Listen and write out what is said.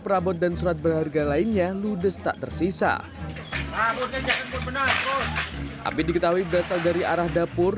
perabot dan surat berharga lainnya ludes tak tersisa alurnya api diketahui berasal dari arah dapur